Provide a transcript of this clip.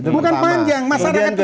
bukan panjang masyarakat itu simple